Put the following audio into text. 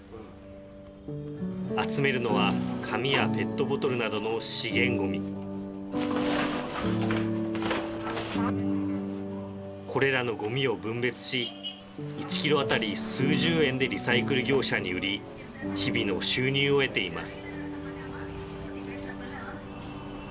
集めるのは紙やペットボトルなどの資源ゴミこれらのゴミを分別し１キロ当たり数十円でリサイクル業者に売り日々の収入を得ています